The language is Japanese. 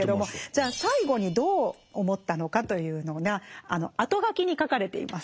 じゃあ最後にどう思ったのかというのが後書きに書かれています。